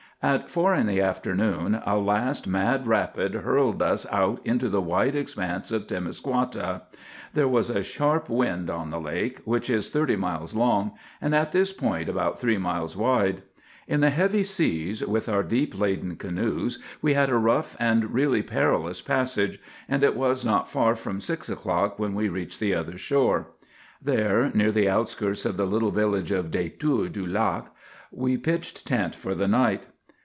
At four in the afternoon a last mad rapid hurled us out into the wide expanse of Temiscouata. There was a sharp wind on the lake, which is thirty miles long, and at this point about three miles wide. In the heavy seas, with our deep laden canoes, we had a rough and really perilous passage; and it was not far from six o'clock when we reached the other shore. There, near the outskirts of the little village of Détour du Lac, we pitched tent for the night.